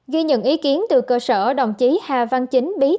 ghi nhận ý kiến từ cơ sở đồng chí hà văn chính bí kí